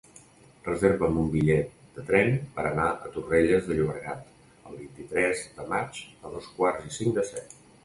Reserva'm un bitllet de tren per anar a Torrelles de Llobregat el vint-i-tres de maig a dos quarts i cinc de set.